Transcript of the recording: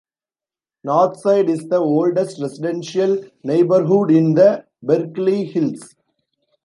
Northside is the oldest residential neighborhood in the Berkeley Hills.